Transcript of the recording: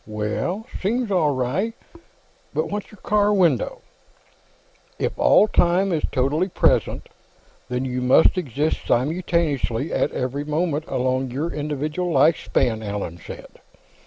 "That seems all right. But what's your car window?" "If all time is totally present, then you must exist simultaneously at every moment along your individual life span," Allan said.